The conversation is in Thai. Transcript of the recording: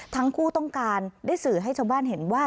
ทั้งคู่ต้องการได้สื่อให้ชาวบ้านเห็นว่า